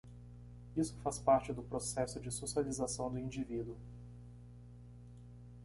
Isso faz parte do processo de socialização do indivíduo.